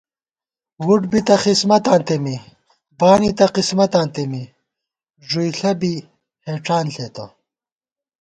وُٹ بِتہ خِسمَتاں تېمے، بانِتہ قِسمَتاں تېمے، ݫُوئیݪہ بی ہېڄان ݪېتہ